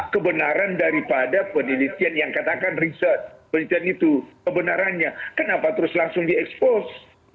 kebenaran daripada penelitian yang katakan riset penelitian itu kebenarannya kenapa terus langsung diekspos